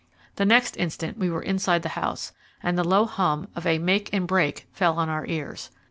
The next instant we were inside the house, and the low hum of a "make and break" fell on our ears.